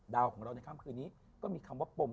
ของเราในค่ำคืนนี้ก็มีคำว่าปม